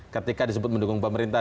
ketika disebut mendukung pemerintah